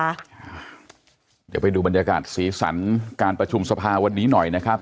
เดี๋ยวไปดูบรรยากาศสีสันการประชุมสภาวันนี้หน่อยนะครับ